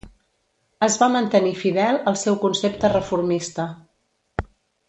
Es va mantenir fidel al seu concepte reformista.